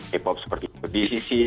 hip hop seperti itu di sisi